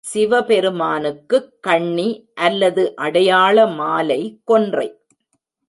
சிவபெருமானுக்குக் கண்ணி அல்லது அடையாள மாலை கொன்றை.